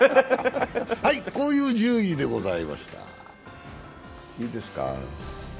こういう順位でございました。